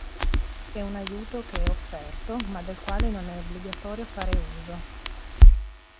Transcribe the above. È un aiuto, che è offerto, ma del quale non è obbligatorio fare uso.